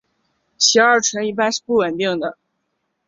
偕二醇一般是不稳定的。